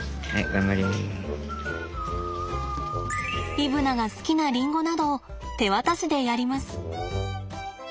イブナが好きなりんごなどを手渡しでやります。